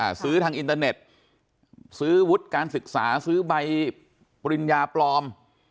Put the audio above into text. ซื้อทางอินเตอร์เน็ตซื้อวุฒิการศึกษาซื้อใบปริญญาปลอม